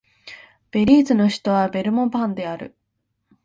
ベリーズの首都はベルモパンである